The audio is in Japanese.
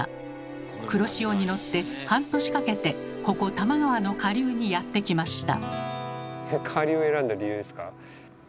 黒潮に乗って半年かけてここ多摩川の下流にやって来ました。